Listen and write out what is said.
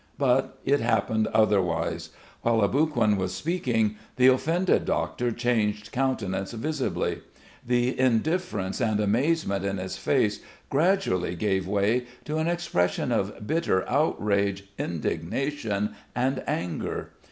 But it happened otherwise. While Aboguin was speaking the offended doctor changed countenance visibly. The indifference and amazement in his face gradually gave way to an expression of bitter outrage, indignation, and anger.